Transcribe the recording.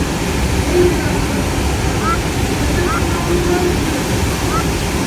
И раббым-аллам, ултыртып ҡына алһасы?!